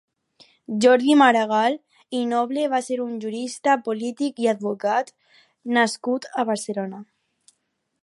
Jordi Maragall i Noble va ser un jurista, polític i advocat nascut a Barcelona.